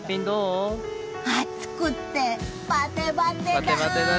暑くてバテバテだ。